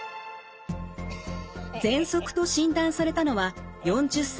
ぜんそくと診断されたのは４０歳の時。